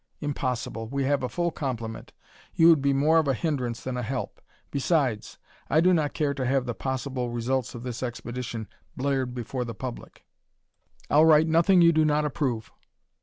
"Impossible. We have a full complement. You would be more of a hindrance than a help. Besides, I do not care to have the possible results of this expedition blared before the public." "I'll write nothing you do not approve."